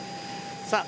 さあ、